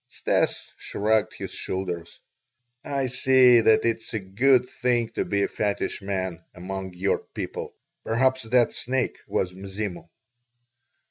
Stas shrugged his shoulders. "I see that it is a good thing to be a fetish man among your people. Perhaps that snake was Mzimu?"